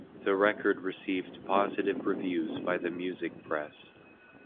The record received positive reviews by the music press.